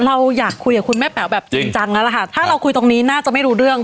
เราอยากคุยกับคุณแม่แป๋วแบบจริงจังแล้วล่ะค่ะถ้าเราคุยตรงนี้น่าจะไม่รู้เรื่อง